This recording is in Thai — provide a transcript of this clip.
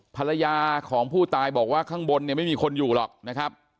ภรรยาของผู้ตายบอกว่าข้างบนเนี่ยไม่มีคนอยู่หรอกนะครับ